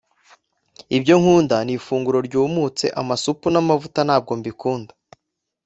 ibyo nkunda n’ifunguro ryumutse amasupu n’amavuta ntabwo mbikunda